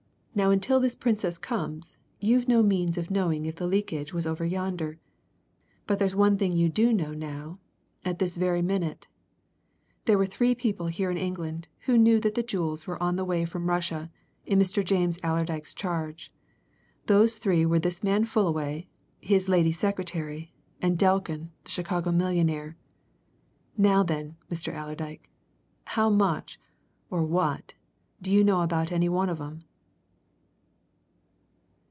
Now until this Princess comes you've no means of knowing if the leakage was over yonder. But there's one thing you do know now at this very minute. There were three people here in England who knew that the jewels were on the way from Russia, in Mr. James Allerdyke's charge. Those three were this man Fullaway, his lady secretary, and Delkin, the Chicago millionaire! Now, then, Mr. Allerdyke how much, or what, do you know about any one of 'em?"